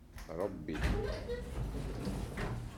Ṛebbi.